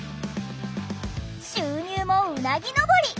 収入もうなぎ登り！